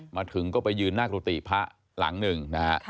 มาถึงก็ไปยืนหน้ากุฏิพระหลังหนึ่งนะฮะ